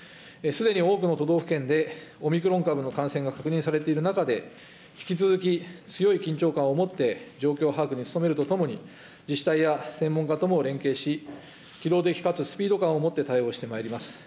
すでに多くの都道府県でオミクロン株の感染が確認されている中で、引き続き、強い緊張感を持って状況把握に努めるとともに、自治体や専門家とも連携し、機動的かつスピード感を持って対応してまいります。